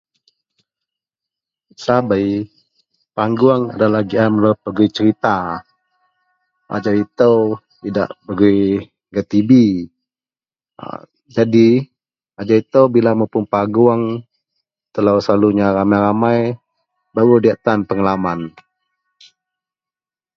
Sabei paguong adalah gian melo pegui serita ajau ito idak pegui gak tibi a jadi ajau bila mapun paguong telo selalunya ramai-ramai baruok diyak tan pengalaman.